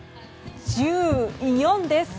１４です！